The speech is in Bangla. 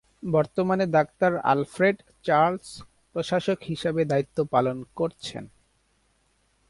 বর্তমানে ডাক্তার আলফ্রেড চার্লস প্রশাসক হিসাবে দায়িত্ব পালন করছেন।